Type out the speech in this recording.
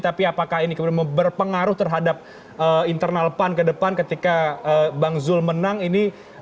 tapi apakah ini kemudian berpengaruh terhadap internal pan ke depan ketika bang zul menang ini